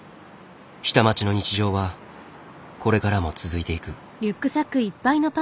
下町の日常はこれからも続いていく。